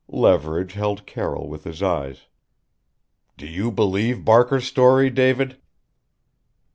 Leverage held Carroll with his eyes: "Do you believe Barker's story, David?"